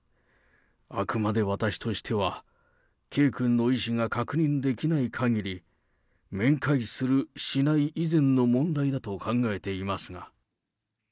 あくまで私としては、圭君の意思が確認できないかぎり、面会する、しない以前の問題だと考えていますが。